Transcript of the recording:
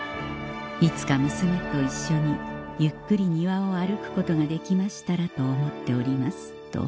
「いつか娘と一緒にゆっくり庭を歩くことができましたらと思っております」と